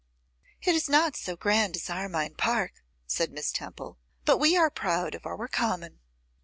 'It is not so grand as Armine Park,' said Miss Temple; 'but we are proud of our common.